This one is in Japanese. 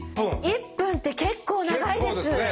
１分って結構長いです！